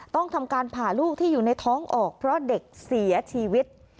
ต้องทำการผ่าลูกที่อยู่ในท้องออกเพราะเด็กเสียชีวิต